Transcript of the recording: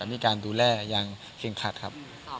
มีการดูแลอย่างเคร่งคัดครับ